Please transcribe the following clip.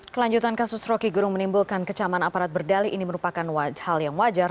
kelanjutan kasus roky gerung menimbulkan kecaman aparat berdali ini merupakan hal yang wajar